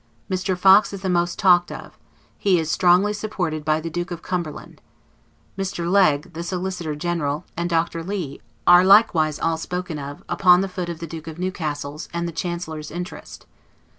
Mr. Fox is the most talked of; he is strongly supported by the Duke of Cumberland. Mr. Legge, the Solicitor General, and Dr. Lee, are likewise all spoken of, upon the foot of the Duke of Newcastle's, and the Chancellor's interest.